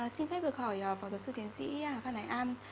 xin phép được hỏi phó giáo sư tiến sĩ phan đài an